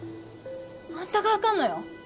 あんたがあかんのよ。